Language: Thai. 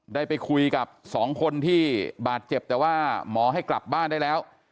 ได้ไปคุยกับสองคนที่บาดเจ็บแต่ว่าหมอให้กลับบ้านได้แล้ว